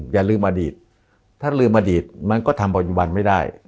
อย่าลืมอดีตถ้าลืมอดีตมันก็ทำปัจจุบันไม่ได้